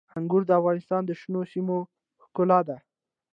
انګور د افغانستان د شنو سیمو ښکلا ده.